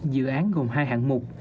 dự án gồm hai hạng mục